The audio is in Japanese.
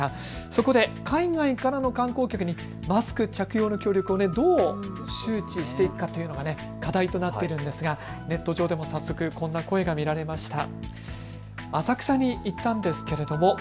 そこで海外からの観光客にマスク着用の協力をどう周知していくのかが課題になっていますがネットでもこんな声が見られました。